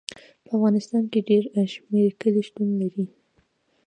په افغانستان کې ډېر شمیر کلي شتون لري.